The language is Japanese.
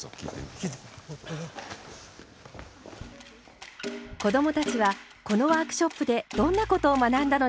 子どもたちはこのワークショップでどんなことを学んだのでしょうか。